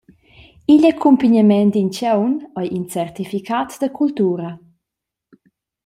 Igl accumpignament d’in tgaun ei in certificat da cultura.